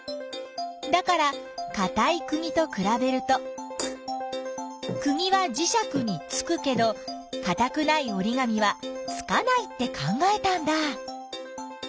だからかたいくぎとくらべるとくぎはじしゃくにつくけどかたくないおりがみはつかないって考えたんだ。